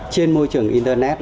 trên môi trường internet